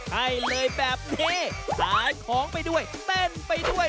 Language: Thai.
ให้เลยแบบนี้ขายของไปด้วยเต้นไปด้วย